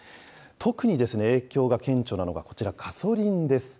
特に影響が顕著なのがこちら、ガソリンです。